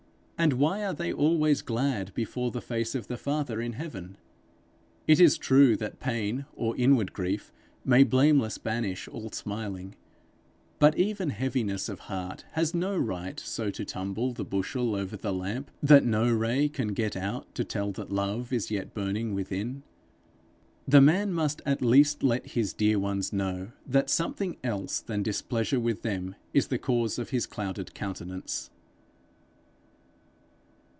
And why are they always glad before the face of the Father in heaven? It is true that pain or inward grief may blameless banish all smiling, but even heaviness of heart has no right so to tumble the bushel over the lamp that no ray can get out to tell that love is yet burning within. The man must at least let his dear ones know that something else than displeasure with them is the cause of his clouded countenance.